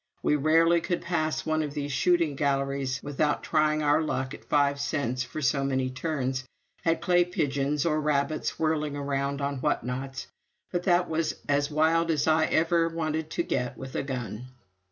We rarely could pass one of these shooting galleries without trying our luck at five cents for so many turns at clay pigeons or rabbits whirling around on whatnots; but that was as wild as I ever wanted to get with a gun.